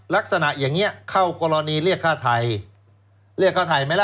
ลักษณะอย่างนี้เข้ากรณีเรียกค่าไทยเรียกค่าไทยไหมล่ะ